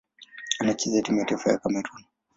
Anachezea timu ya taifa ya Kamerun.